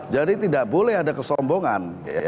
jadi tidak boleh ada kesombongan